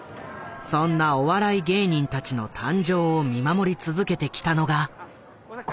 そんなお笑い芸人たちの誕生を見守り続けてきたのがこの男。